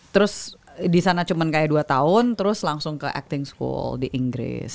terus disana cuman kayak dua tahun terus langsung ke acting school di inggris